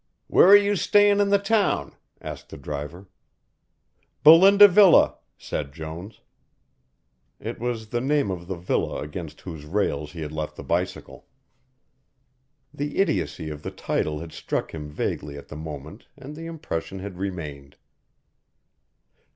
"Where are you stayin' in the town?" asked the driver. "Belinda Villa," said Jones. It was the name of the villa against whose rails he had left the bicycle. The idiocy of the title had struck him vaguely at the moment and the impression had remained.